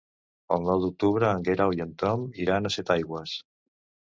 El nou d'octubre en Grau i en Tom iran a Setaigües.